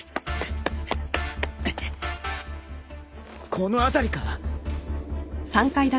この辺りか。